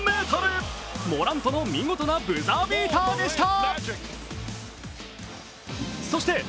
モラントの見事なブザービーターでした。